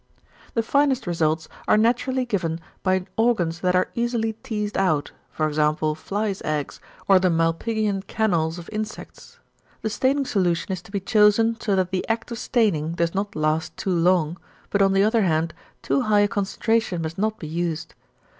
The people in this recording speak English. The finest results are naturally given by organs that are easily teased out, e.g. flies' eggs, or the Malpighian canals of insects. The staining solution is to be chosen so that the act of staining does not last too long, but on the other hand too high a concentration must not be used.